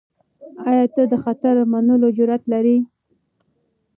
آیا ته د خطر منلو جرئت لرې؟